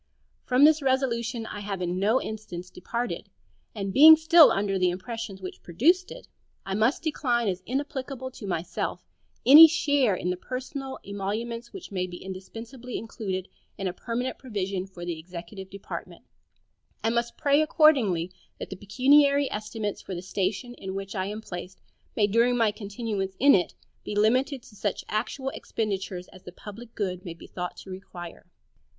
From this resolution I have in no instance departed; and being still under the impressions which produced it, I must decline as inapplicable to myself any share in the personal emoluments which may be indispensably included in a permanent provision for the executive department, and must accordingly pray that the pecuniary estimates for the station in which I am placed may during my continuance in it be limited to such actual expenditures as the public good may be thought to require.